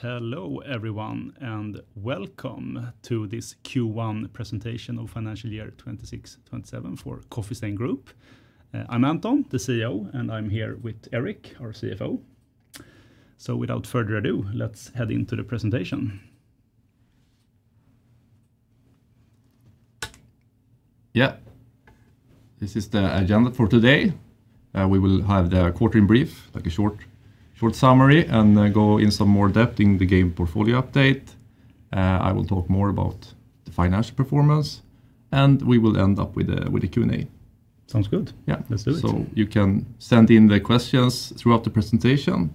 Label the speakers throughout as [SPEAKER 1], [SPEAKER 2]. [SPEAKER 1] Hello everyone, welcome to this Q1 presentation of financial year 2026/2027 for Coffee Stain Group. I'm Anton, the CEO, and I'm here with Erik, our CFO. Without further ado, let's head into the presentation.
[SPEAKER 2] Yeah. This is the agenda for today. We will have the quarter in brief, a short summary, and go in some more depth in the game portfolio update. I will talk more about the financial performance, and we will end up with a Q&A.
[SPEAKER 1] Sounds good.
[SPEAKER 2] Yeah.
[SPEAKER 1] Let's do it.
[SPEAKER 2] You can send in the questions throughout the presentation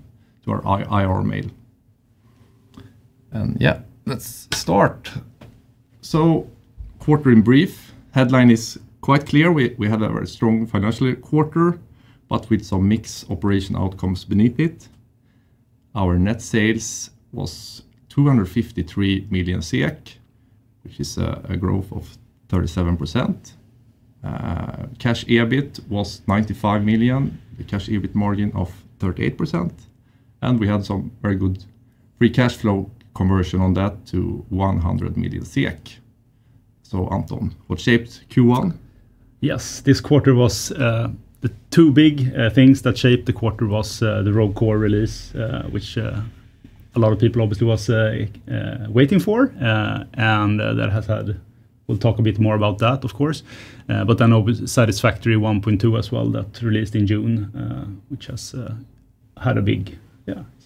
[SPEAKER 2] to our IR mail. Let's start. Quarter in brief. Headline is quite clear. We had a very strong financial quarter with some mixed operation outcomes beneath it. Our net sales was 253 million, which is a growth of 37%. Cash EBIT was 95 million. The cash EBIT margin of 38%. We had some very good free cash flow conversion on that to 100 million SEK. Anton, what shaped Q1?
[SPEAKER 1] Yes. The two big things that shaped the quarter was the Rogue Core release, which a lot of people obviously was waiting for. We'll talk a bit more about that, of course. Obviously Satisfactory 1.2 as well, that released in June, which has had a big,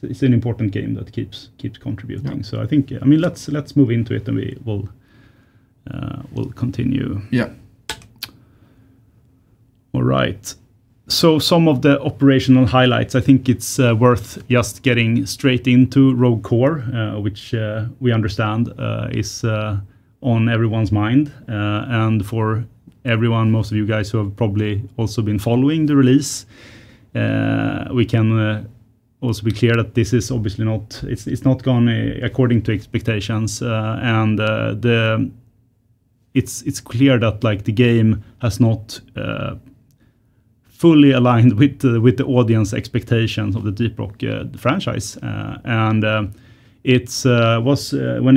[SPEAKER 1] it's an important game that keeps contributing.
[SPEAKER 2] Yeah.
[SPEAKER 1] I think, let's move into it. We'll continue.
[SPEAKER 2] Yeah.
[SPEAKER 1] All right. Some of the operational highlights, I think it's worth just getting straight into Rogue Core, which, we understand, is on everyone's mind. For everyone, most of you guys who have probably also been following the release, we can also be clear that this is obviously it's not gone according to expectations. It's clear that the game has not fully aligned with the audience expectations of the Deep Rock franchise. When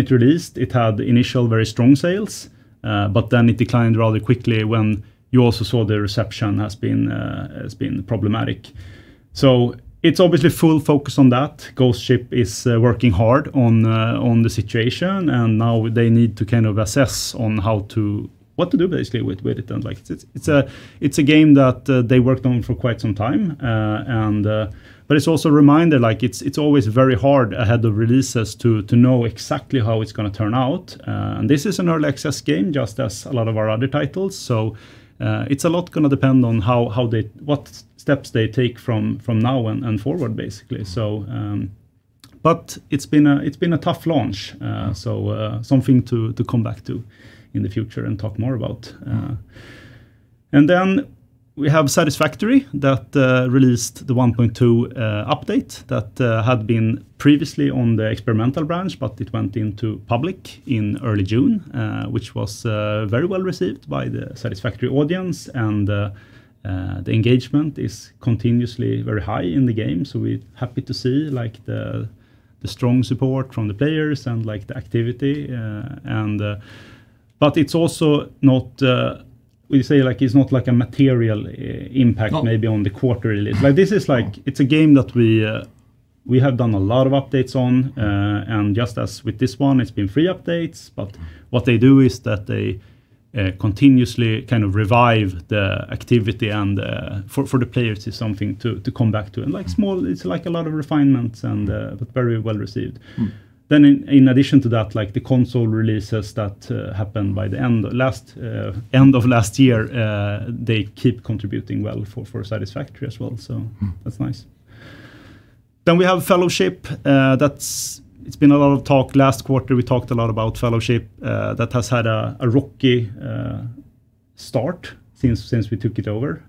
[SPEAKER 1] it released, it had initial very strong sales, but then it declined rather quickly when you also saw the reception has been problematic. It's obviously full focus on that. Ghost Ship is working hard on the situation. Now they need to assess on what to do basically with it. It's a game that they worked on for quite some time. It's also a reminder it's always very hard ahead of releases to know exactly how it's going to turn out. This is an early access game, just as a lot of our other titles. It's a lot going to depend on what steps they take from now and forward, basically. It's been a tough launch. Something to come back to in the future and talk more about. We have Satisfactory that released the 1.2 update that had been previously on the experimental branch, but it went into public in early June, which was very well received by the Satisfactory audience and the engagement is continuously very high in the game. We're happy to see the strong support from the players and the activity. It's also not a material impact maybe on the quarter release. It's a game that we have done a lot of updates on. Just as with this one, it's been free updates, what they do is that they continuously revive the activity and for the players, it's something to come back to and it's a lot of refinements and very well received. In addition to that, the console releases that happened by the end of last year, they keep contributing well for Satisfactory as well. That's nice. We have Fellowship. It's been a lot of talk. Last quarter, we talked a lot about Fellowship that has had a rocky start since we took it over.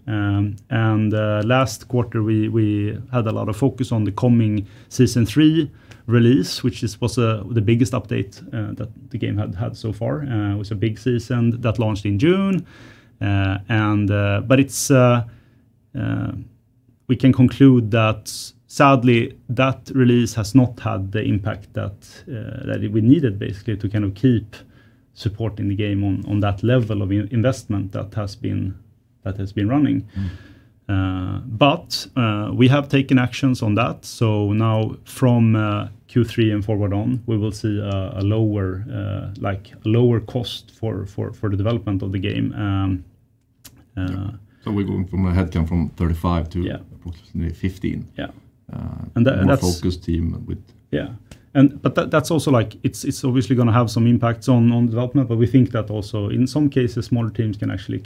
[SPEAKER 1] Last quarter, we had a lot of focus on the coming Season 3 release, which was the biggest update that the game had so far. It was a big season that launched in June. We can conclude that sadly, that release has not had the impact that we needed basically to keep supporting the game on that level of investment that has been running. We have taken actions on that. Now from Q3 and forward on, we will see a lower cost for the development of the game.
[SPEAKER 2] We're going from a headcount from 35 to approximately 15.
[SPEAKER 1] Yeah.
[SPEAKER 2] More focused team.
[SPEAKER 1] Yeah. That's also it's obviously going to have some impacts on development, but we think that also in some cases, smaller teams can actually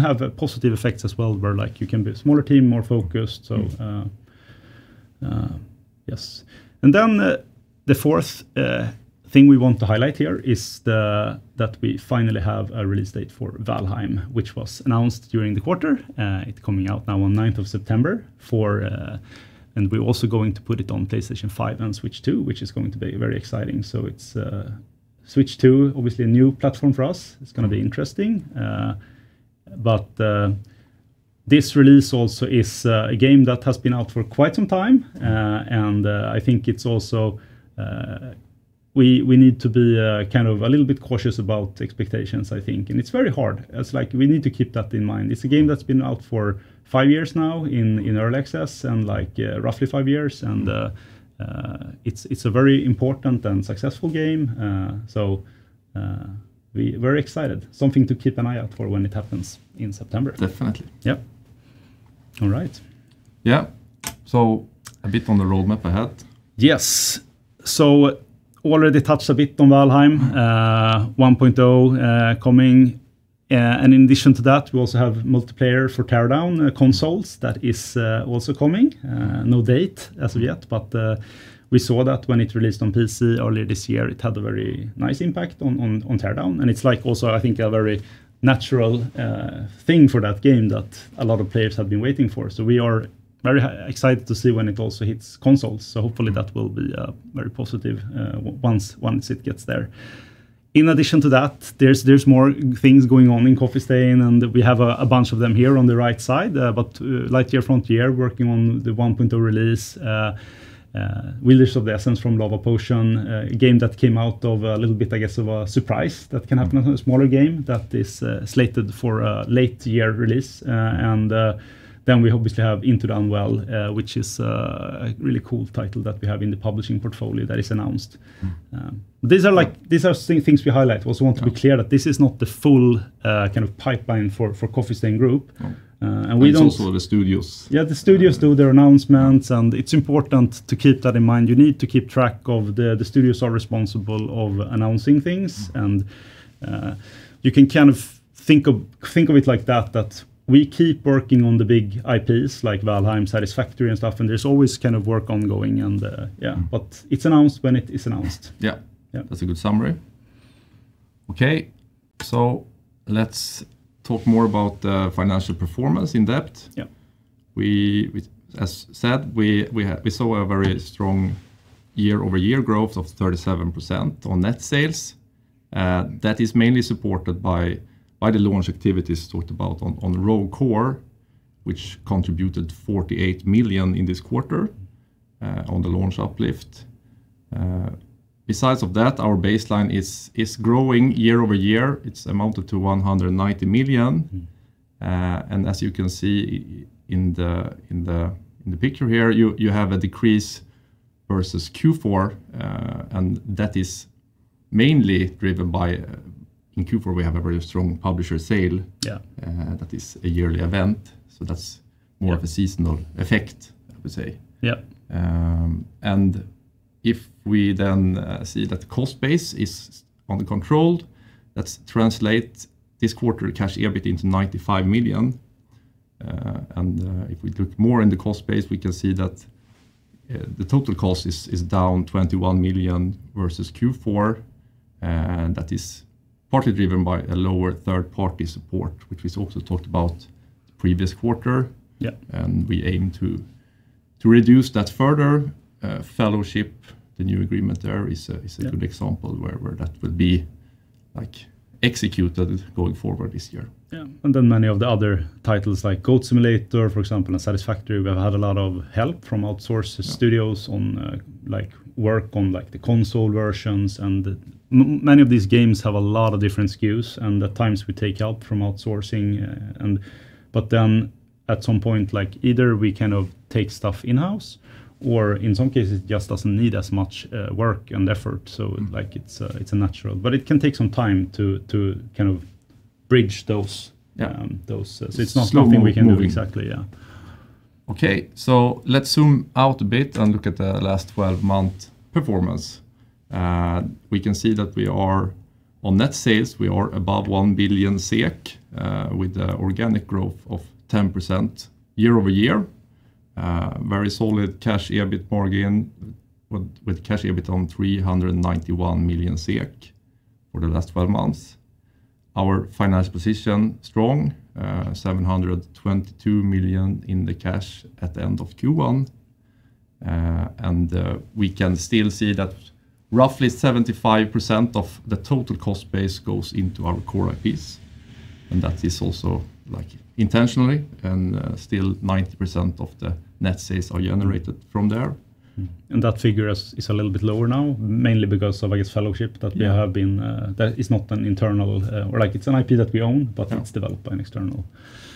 [SPEAKER 1] have a positive effect as well, where you can be a smaller team, more focused. Yes. The fourth thing we want to highlight here is that we finally have a release date for Valheim, which was announced during the quarter. It coming out now on 9th of September. We're also going to put it on PlayStation 5 and Switch 2, which is going to be very exciting. It's Switch 2, obviously a new platform for us. It's going to be interesting. This release also is a game that has been out for quite some time. I think we need to be a little bit cautious about expectations, I think. It's very hard. We need to keep that in mind. It's a game that's been out for five years now in early access and roughly five years. It's a very important and successful game. We're very excited. Something to keep an eye out for when it happens in September.
[SPEAKER 2] Definitely.
[SPEAKER 1] Yep. All right.
[SPEAKER 2] Yeah. A bit on the roadmap ahead.
[SPEAKER 1] Yes. Already touched a bit on Valheim 1.0 coming, in addition to that, we also have multiplayer for Teardown consoles. That is also coming. No date as of yet, but we saw that when it released on PC earlier this year, it had a very nice impact on Teardown. It's also, I think, a very natural thing for that game that a lot of players have been waiting for. We are very excited to see when it also hits consoles. Hopefully that will be very positive once it gets there. In addition to that, there's more things going on in Coffee Stain, we have a bunch of them here on the right side. Lightyear Frontier working on the 1.0 release, Wielders of the Essence from Lavapotion, a game that came out of a little bit, I guess, of a surprise that can happen on a smaller game that is slated for a late year release. We obviously have Into the Unwell, which is a really cool title that we have in the publishing portfolio that is announced. These are things we highlight. We also want to be clear that this is not the full kind of pipeline for Coffee Stain Group. We don't-
[SPEAKER 2] It's also the studios.
[SPEAKER 1] The studios do their announcements. It's important to keep that in mind. You need to keep track of the studios are responsible of announcing things. You can think of it like that we keep working on the big IPs like Valheim, Satisfactory and stuff. There's always work ongoing. It's announced when it is announced.
[SPEAKER 2] Yeah.
[SPEAKER 1] Yeah.
[SPEAKER 2] That's a good summary. Okay. Let's talk more about the financial performance in depth.
[SPEAKER 1] Yeah.
[SPEAKER 2] As said, we saw a very strong year-over-year growth of 37% on net sales. That is mainly supported by the launch activities talked about on Rogue Core, which contributed 48 million in this quarter on the launch uplift. Besides of that, our baseline is growing year-over-year. It's amounted to 190 million. As you can see in the picture here, you have a decrease versus Q4, and that is mainly driven by in Q4, we have a very strong publisher sale.
[SPEAKER 1] Yeah.
[SPEAKER 2] That is a yearly event, that's more of a seasonal effect, I would say.
[SPEAKER 1] Yeah.
[SPEAKER 2] If we then see that the cost base is under control, that translates this quarter cash EBIT into 95 million. If we look more in the cost base, we can see that the total cost is down 21 million versus Q4, and that is partly driven by a lower third-party support, which was also talked about previous quarter.
[SPEAKER 1] Yeah.
[SPEAKER 2] We aim to reduce that further. Fellowship, the new agreement there is a good example where that will be executed going forward this year.
[SPEAKER 1] Yeah. Many of the other titles like Goat Simulator, for example, and Satisfactory, we have had a lot of help from outsourced studios on work on the console versions, and many of these games have a lot of different SKUs and at times we take help from outsourcing. At some point, either we take stuff in-house or in some cases it just doesn't need as much work and effort. It's natural. It can take some time to bridge those.
[SPEAKER 2] Yeah.
[SPEAKER 1] It's not something we can do exactly. Yeah.
[SPEAKER 2] Okay, let's zoom out a bit and look at the last 12-month performance. We can see that on net sales we are above 1 billion SEK, with organic growth of 10% year-over-year. Very solid cash EBIT margin with cash EBIT on 391 million SEK for the last 12 months. Our financial position strong, 722 million in the cash at the end of Q1. We can still see that roughly 75% of the total cost base goes into our core IPs. That is also intentionally and still 90% of the net sales are generated from there.
[SPEAKER 1] That figure is a little bit lower now, mainly because of, I guess, Fellowship, it's an IP that we own, but it's developed by an external.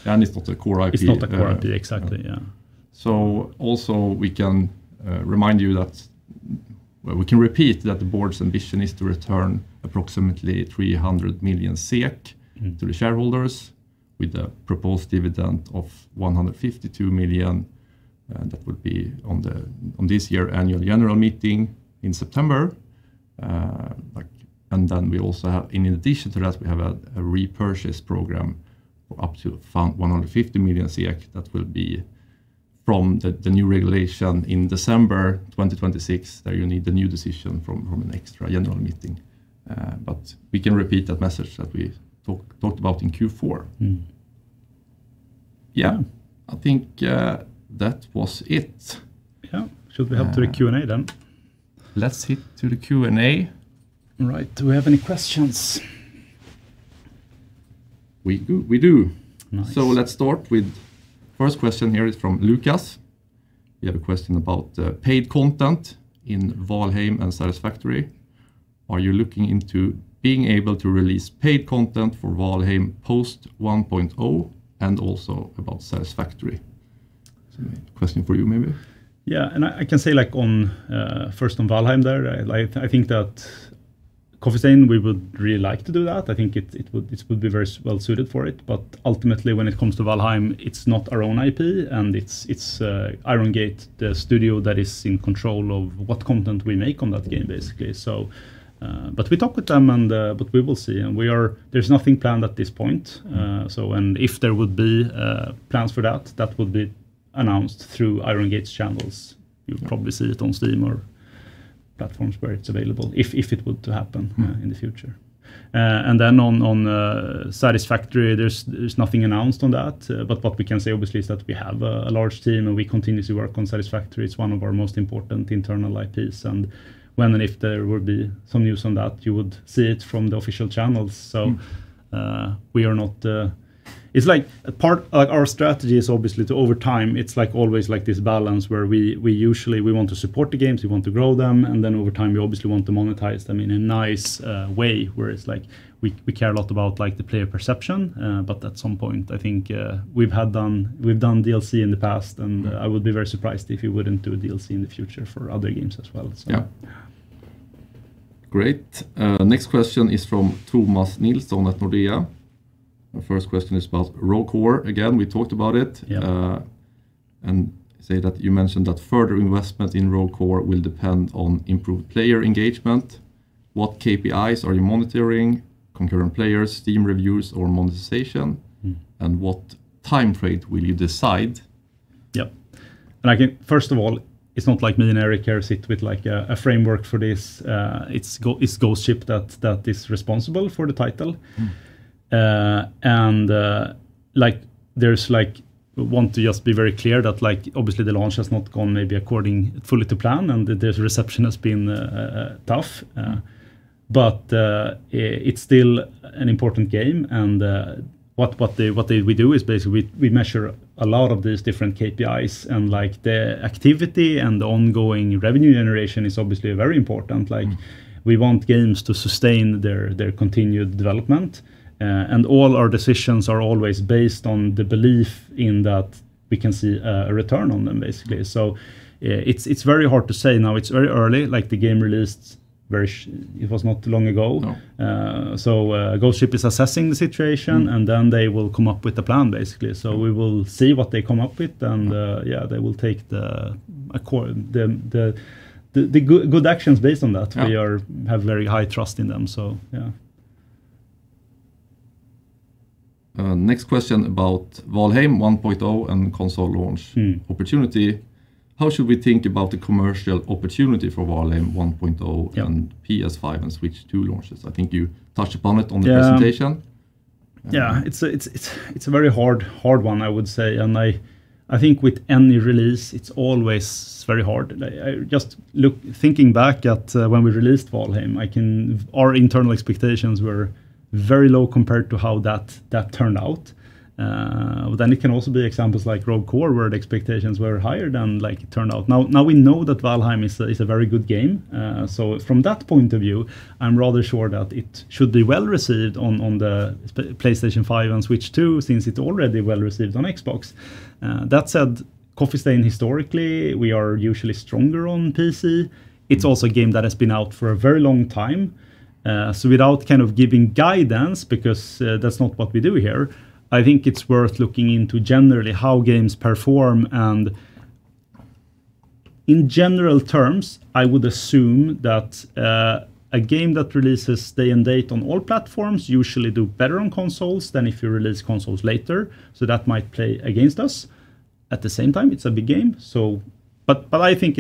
[SPEAKER 2] It's not a core IP.
[SPEAKER 1] It's not a core IP. Exactly. Yeah.
[SPEAKER 2] Also we can remind you that, well, we can repeat that the board's ambition is to return approximately 300 million SEK to the shareholders with a proposed dividend of 152 million, and that will be on this year Annual General Meeting in September. In addition to that, we have a repurchase program for up to 150 million SEK. That will be from the new regulation in December 2026, that you need the new decision from an Extra General Meeting. We can repeat that message that we talked about in Q4. Yeah, I think that was it.
[SPEAKER 1] Yeah. Should we head to the Q&A then?
[SPEAKER 2] Let's head to the Q&A.
[SPEAKER 1] All right. Do we have any questions?
[SPEAKER 2] We do.
[SPEAKER 1] Nice.
[SPEAKER 2] Let's start with first question here is from Lucas. He had a question about paid content in Valheim and Satisfactory. Are you looking into being able to release paid content for Valheim post 1.0 and also about Satisfactory? It's a question for you, maybe.
[SPEAKER 1] Yeah. I can say first on Valheim there, I think that Coffee Stain, we would really like to do that. I think it would be very well-suited for it. Ultimately, when it comes to Valheim, it's not our own IP, and it's Iron Gate, the studio that is in control of what content we make on that game, basically. We talk with them, but we will see. There's nothing planned at this point. If there would be plans for that would be announced through Iron Gate's channels. You'll probably see it on Steam or platforms where it's available if it were to happen in the future. Then on Satisfactory, there's nothing announced on that. What we can say, obviously, is that we have a large team, and we continue to work on Satisfactory. It's one of our most important internal IPs. When and if there would be some news on that, you would see it from the official channels. Our strategy is obviously to, over time, it's always this balance where we usually want to support the games, we want to grow them, and then over time, we obviously want to monetize them in a nice way where it's like we care a lot about the player perception. At some point, I think we've done DLC in the past, and I would be very surprised if we wouldn't do a DLC in the future for other games as well.
[SPEAKER 2] Yeah. Great. Next question is from Thomas Nilsson at Nordea. The first question is about Rogue Core. Again, we talked about it.
[SPEAKER 1] Yeah.
[SPEAKER 2] Say that you mentioned that further investment in Rogue Core will depend on improved player engagement. What KPIs are you monitoring, concurrent players, Steam reviews, or monetization? What time frame will you decide?
[SPEAKER 1] Yep. First of all, it's not like me and Erik are sit with a framework for this. It's Ghost Ship that is responsible for the title. We want to just be very clear that obviously the launch has not gone maybe according fully to plan, and the reception has been tough. It's still an important game and what we do is basically we measure a lot of these different KPIs and the activity and the ongoing revenue generation is obviously very important. We want games to sustain their continued development. All our decisions are always based on the belief in that we can see a return on them, basically. It's very hard to say now. It's very early. The game released, it was not long ago.
[SPEAKER 2] No.
[SPEAKER 1] Ghost Ship is assessing the situation, and then they will come up with a plan, basically. We will see what they come up with and they will take the good actions based on that.
[SPEAKER 2] Yeah.
[SPEAKER 1] We have very high trust in them.
[SPEAKER 2] Next question about Valheim 1.0 and console launch opportunity. How should we think about the commercial opportunity for Valheim 1.0 and PS5 and Switch 2 launches? I think you touched upon it on the presentation.
[SPEAKER 1] Yeah. It's a very hard one, I would say. I think with any release, it's always very hard. Just thinking back at when we released Valheim, our internal expectations were very low compared to how that turned out. It can also be examples like Rogue Core where the expectations were higher than it turned out. We know that Valheim is a very good game. From that point of view, I'm rather sure that it should be well-received on the PlayStation 5 and Switch 2, since it's already well-received on Xbox. That said, Coffee Stain historically, we are usually stronger on PC. It's also a game that has been out for a very long time. Without kind of giving guidance, because that's not what we do here, I think it's worth looking into generally how games perform and in general terms, I would assume that a game that releases day and date on all platforms usually do better on consoles than if you release consoles later. That might play against us. At the same time, it's a big game. I think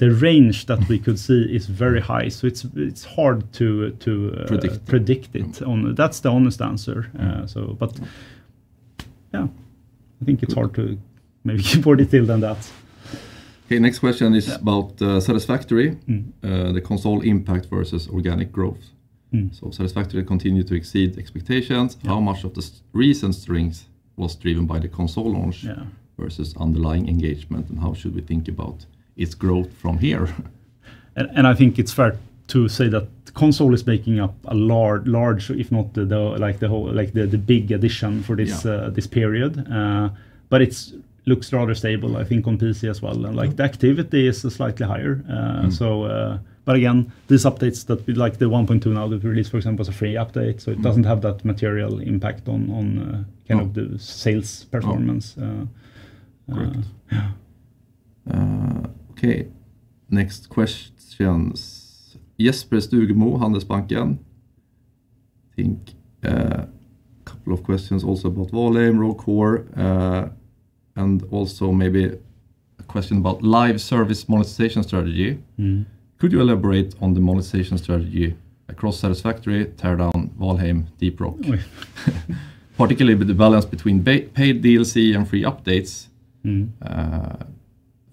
[SPEAKER 1] the range that we could see is very high. It's hard to-
[SPEAKER 2] Predict.
[SPEAKER 1] -predict it. That's the honest answer. Yeah. I think it's hard to maybe be more detailed than that.
[SPEAKER 2] Next question is about Satisfactory. The console impact versus organic growth. Satisfactory continue to exceed expectations.
[SPEAKER 1] Yeah.
[SPEAKER 2] How much of the recent strength was driven by the console launch.
[SPEAKER 1] Yeah.
[SPEAKER 2] Versus underlying engagement, how should we think about its growth from here?
[SPEAKER 1] I think it's fair to say that console is making up a large, if not the big addition for this period.
[SPEAKER 2] Yeah.
[SPEAKER 1] It looks rather stable, I think, on PC as well. The activity is slightly higher. Again, these updates, like the 1.2 now that we've released, for example, is a free update, so it doesn't have that material impact on the sales performance.
[SPEAKER 2] Correct.
[SPEAKER 1] Yeah.
[SPEAKER 2] Okay. Next questions. Jesper Stugemo, Handelsbanken. I think a couple of questions also about Valheim, Rogue Core, and also maybe a question about live service monetization strategy. Could you elaborate on the monetization strategy across Satisfactory, Teardown, Valheim, Deep Rock?
[SPEAKER 1] Oy.
[SPEAKER 2] Particularly with the balance between paid DLC and free updates.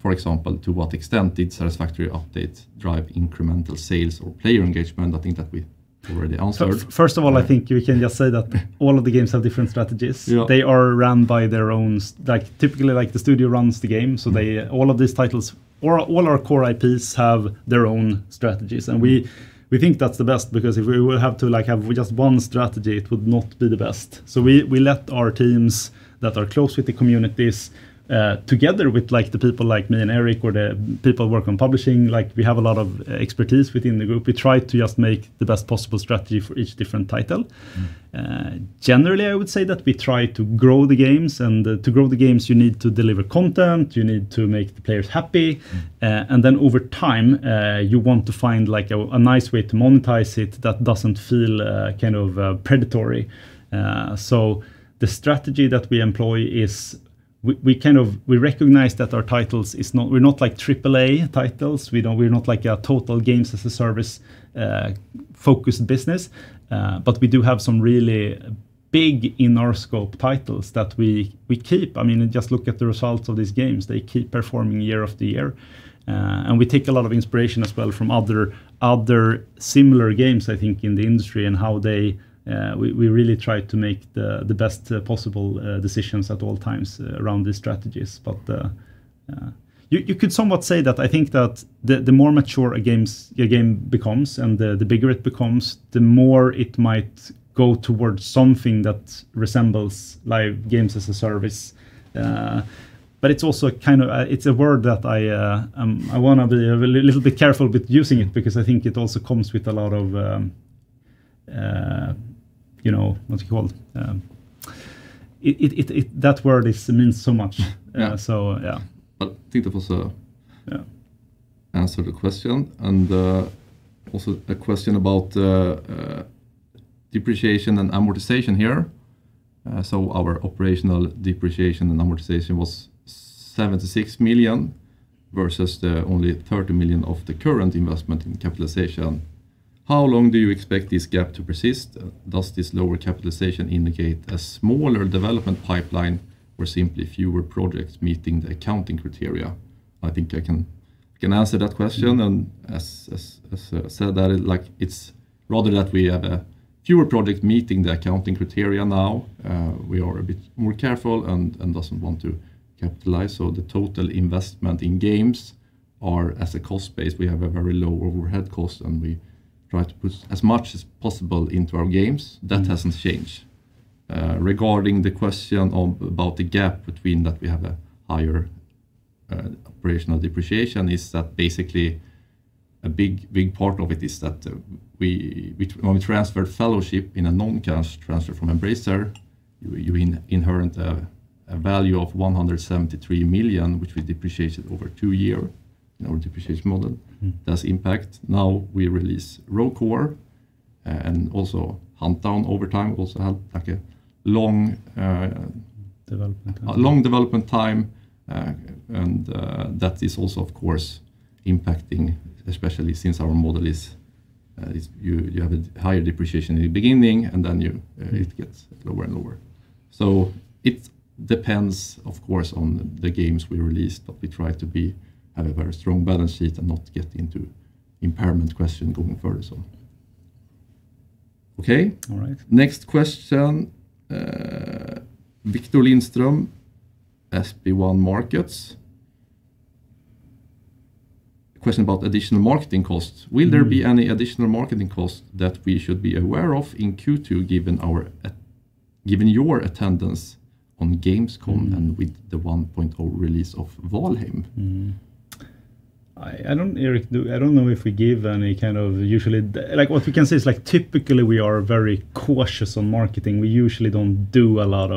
[SPEAKER 2] For example, to what extent did Satisfactory updates drive incremental sales or player engagement? I think that we already answered.
[SPEAKER 1] First of all, I think we can just say that all of the games have different strategies.
[SPEAKER 2] Yeah.
[SPEAKER 1] They are run by their own. Typically, the studio runs the game. All our core IPs have their own strategies. We think that's the best because if we will have to have just one strategy it would not be the best. We let our teams that are close with the communities, together with the people like me and Erik or the people who work on publishing, we have a lot of expertise within the group. We try to just make the best possible strategy for each different title. Generally, I would say that we try to grow the games to grow the games you need to deliver content, you need to make the players happy, and then over time, you want to find a nice way to monetize it that doesn't feel predatory. The strategy that we employ is we recognize that our titles, we're not AAA titles. We're not a total games as a service focused business. We do have some really big, in our scope, titles that we keep. Just look at the results of these games. They keep performing year-after-year. We take a lot of inspiration as well from other similar games, I think, in the industry and we really try to make the best possible decisions at all times around these strategies. You could somewhat say that I think that the more mature a game becomes and the bigger it becomes, the more it might go towards something that resembles live games as a service. It's a word that I want to be a little bit careful with using it because I think it also comes with a lot of, what do you call it? That word, it means so much.
[SPEAKER 2] Yeah.
[SPEAKER 1] Yeah.
[SPEAKER 2] I think that was.
[SPEAKER 1] Yeah.
[SPEAKER 2] Answer the question and also a question about depreciation and amortization here. Our operational depreciation and amortization was 76 million versus the only 30 million of the current investment in capitalization. How long do you expect this gap to persist? Does this lower capitalization indicate a smaller development pipeline or simply fewer projects meeting the accounting criteria? I think I can answer that question. As said that it's rather that we have a fewer project meeting the accounting criteria now. We are a bit more careful and doesn't want to capitalize. The total investment in games are as a cost base, we have a very low overhead cost and we try to put as much as possible into our games. That hasn't changed. Regarding the question about the gap between that we have a higher operational depreciation is that basically a big part of it is that when we transferred Fellowship in a non-cash transfer from Embracer, you inherent a value of 173 million which we depreciated over two year in our depreciation model. Does impact. Now we release Rogue Core and also Huntdown over time also had like a long-
[SPEAKER 1] Development time.
[SPEAKER 2] A long development time and that is also, of course, impacting, especially since our model is you have a higher depreciation in the beginning and then it gets lower and lower. It depends, of course, on the games we release, but we try to have a very strong balance sheet and not get into impairment question going further. Okay.
[SPEAKER 1] All right.
[SPEAKER 2] Next question, Viktor Lindström, SB1 Markets. Question about additional marketing costs. Will there be any additional marketing costs that we should be aware of in Q2 given your attendance on Gamescom and with the 1.0 release of Valheim?
[SPEAKER 1] Erik, I don't know if we give any kind of usually. What we can say is typically we are very cautious on marketing. We usually don't do a lot.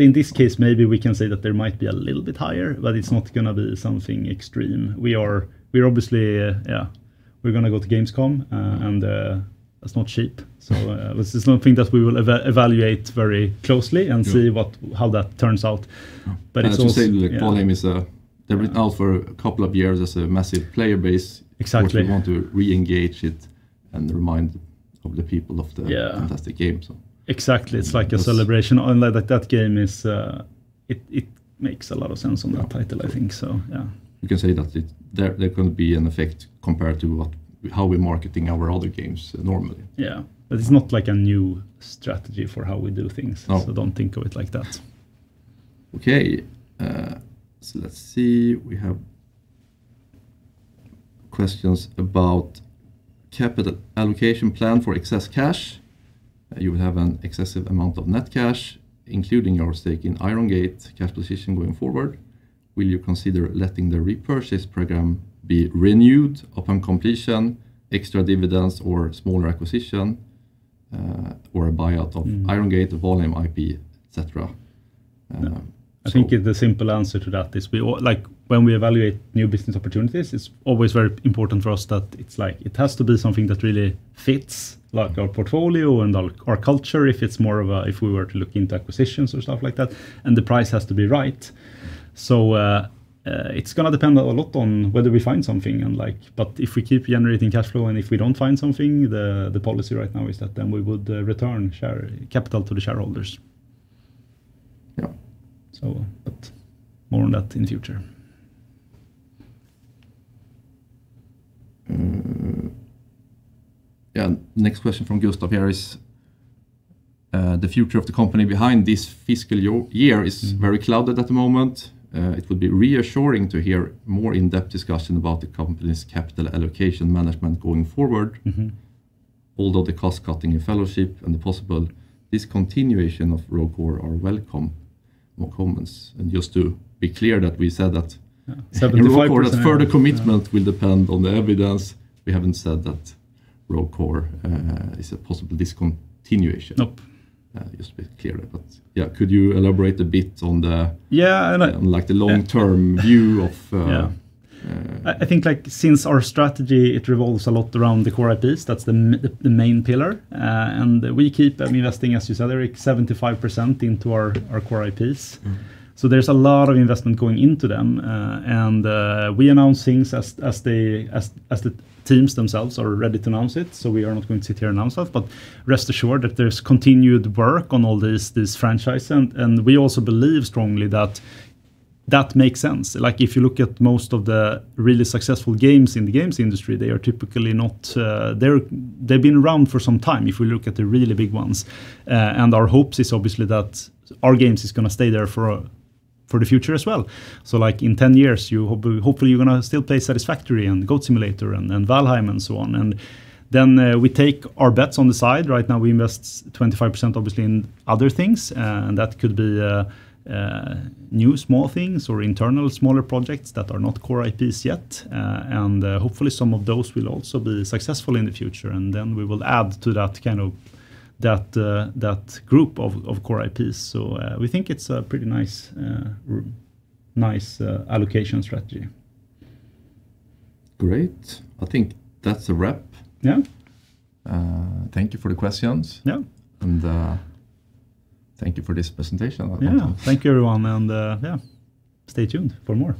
[SPEAKER 1] In this case maybe we can say that there might be a little bit higher, but it's not going to be something extreme. We're going to go to Gamescom, that's not cheap. This is something that we will evaluate very closely and see how that turns out. It's also.
[SPEAKER 2] I have to say that Valheim, they've been out for a couple of years as a massive player base.
[SPEAKER 1] Exactly.
[SPEAKER 2] Of course, we want to re-engage it and remind the people of the-
[SPEAKER 1] Yeah.
[SPEAKER 2] -fantastic game.
[SPEAKER 1] Exactly. It's like a celebration. Only it makes a lot of sense on that title, I think so, yeah.
[SPEAKER 2] You can say that there can be an effect compared to how we're marketing our other games normally.
[SPEAKER 1] Yeah. It's not like a new strategy for how we do things.
[SPEAKER 2] No.
[SPEAKER 1] Don't think of it like that.
[SPEAKER 2] Okay. Let's see. We have questions about capital allocation plan for excess cash. You will have an excessive amount of net cash, including your stake in Iron Gate cash position going forward. Will you consider letting the repurchase program be renewed upon completion, extra dividends or smaller acquisition, or a buyout of Iron Gate, Valheim IP, et cetera?
[SPEAKER 1] I think the simple answer to that is when we evaluate new business opportunities it's always very important for us that it has to be something that really fits our portfolio and our culture if it's more of a, if we were to look into acquisitions or stuff like that and the price has to be right. It's going to depend a lot on whether we find something, if we keep generating cash flow and if we don't find something, the policy right now is that we would return capital to the shareholders.
[SPEAKER 2] Yeah.
[SPEAKER 1] More on that in the future.
[SPEAKER 2] Yeah. Next question from Gustav here is, "The future of the company behind this fiscal year is very clouded at the moment. It would be reassuring to hear more in-depth discussion about the company's capital allocation management going forward. Although the cost-cutting in Fellowship and the possible discontinuation of Rogue Core are welcome." More comments. Just to be clear that we said that-
[SPEAKER 1] 75%.
[SPEAKER 2] Rogue Core's further commitment will depend on the evidence. We haven't said that Rogue Core is a possible discontinuation.
[SPEAKER 1] Nope.
[SPEAKER 2] Just to be clear. Yeah, could you elaborate a bit on the-
[SPEAKER 1] Yeah.
[SPEAKER 2] -like the long-term view of.
[SPEAKER 1] Yeah. I think since our strategy, it revolves a lot around the core IPs, that's the main pillar. We keep investing, as you said, Erik, 75% into our core IPs. There's a lot of investment going into them. We announce things as the teams themselves are ready to announce it. We are not going to sit here and announce that. Rest assured that there's continued work on all these franchises, and we also believe strongly that that makes sense. If you look at most of the really successful games in the games industry, they've been around for some time, if we look at the really big ones. Our hopes is obviously that our games is going to stay there for the future as well. Like in 10 years, hopefully you're going to still play Satisfactory and Goat Simulator and Valheim and so on. We take our bets on the side. Right now we invest 25%, obviously, in other things. That could be new small things or internal smaller projects that are not core IPs yet. Hopefully, some of those will also be successful in the future. We will add to that group of core IPs. We think it's a pretty nice allocation strategy.
[SPEAKER 2] Great. I think that's a wrap.
[SPEAKER 1] Yeah.
[SPEAKER 2] Thank you for the questions.
[SPEAKER 1] Yeah.
[SPEAKER 2] Thank you for this presentation.
[SPEAKER 1] Thank you, everyone, and yeah, stay tuned for more.